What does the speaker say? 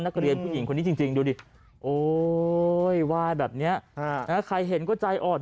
นักเรียนผู้หญิงคนนี้จริงดูดิโอ้ยวายแบบนี้ใครเห็นก็ใจอ่อน